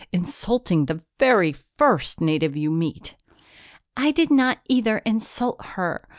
"Insulting the very first native you meet!" "I did not either insult her.